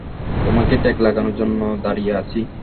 তোমাকে ট্যাগ লাগানোর জন্য দাঁড়িয়ে আছি।